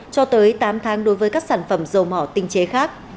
cho tới tám tháng đối với các sản phẩm dầu mỏ tinh chế khác